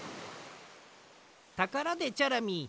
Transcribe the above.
ところでチョロミー。